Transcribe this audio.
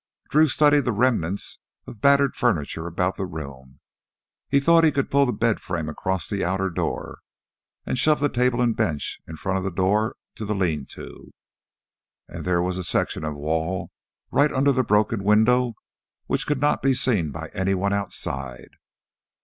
Drew studied the remnants of battered furniture about the room. He thought he could pull the bed frame across the outer door, and shove the table and bench in front of the door to the lean to. And there was a section of wall right under the broken window which could not be seen by anyone outside.